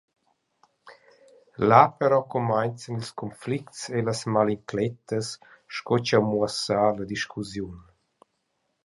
Là pero cumainzan ils conflicts e las malinclettas, sco chi ha muossà la discussiun.